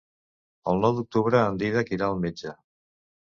El nou d'octubre en Dídac irà al metge.